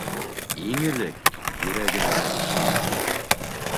Иң элек йөрәгеңә ышан